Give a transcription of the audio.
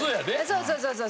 そうそうそうそう。